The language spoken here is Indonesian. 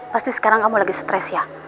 pasti sekarang kamu lagi stres ya